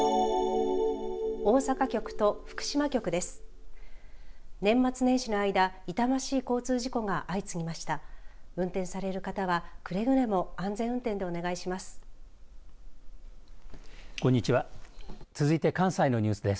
大阪局と福島局です。